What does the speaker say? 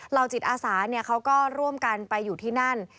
เหล่าจิตอาสาเนี่ยเขาก็ร่วมกันไปอยู่ที่นั่น